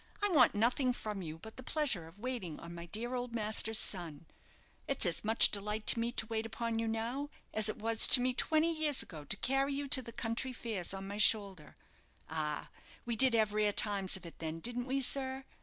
I want nothing from you but the pleasure of waiting on my dear old master's son. It's as much delight to me to wait upon you now as it was to me twenty years ago to carry you to the country fairs on my shoulder. Ah, we did have rare times of it then, didn't we, sir?